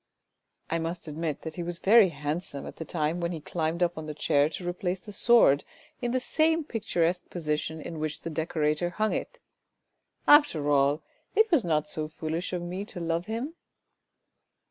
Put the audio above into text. " I must admit that he was very handsome at the time when he climbed up on the chair to replace the sword in the same picturesque position in which the decorator hung it ! After all it was not so foolish of me to love him."